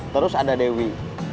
terus ada dewi